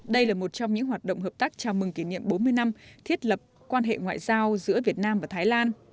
đây là một trong những hoạt động hợp tác chào mừng kỷ niệm bốn mươi năm thiết lập quan hệ ngoại giao giữa việt nam và thái lan